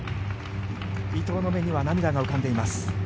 伊藤の目には涙が浮かんでいます。